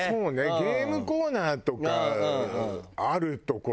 ゲームコーナーとかある所